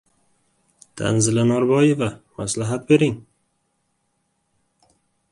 Tanzila Norboyeva, maslahat bering!